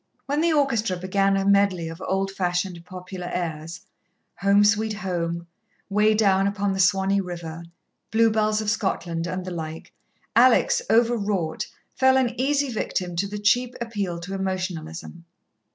When the orchestra began a medley of old fashioned popular airs, Home, sweet Home, Way down upon the Swanee River, Bluebells of Scotland, and the like, Alex overwrought, fell an easy victim to the cheap appeal to emotionalism.